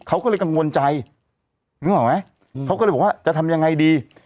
เขาก็เลยกังวลใจนึกออกไหมเขาก็เลยบอกว่าจะทำยังไงดี